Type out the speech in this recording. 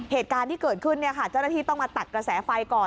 เหตุการณ์ที่เกิดขึ้นเจ้าหน้าที่ต้องมาตัดกระแสไฟก่อน